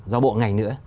do bộ ngành nữa